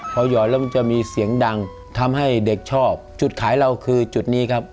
พอหยอดแล้วมันจะมีเสียงดังทำให้เด็กชอบจุดขายเราคือจุดนี้ครับ